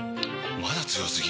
まだ強すぎ？！